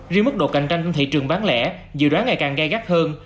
riêng mức độ cạnh tranh trên thị trường bán lẻ dự đoán ngày càng gai gắt hơn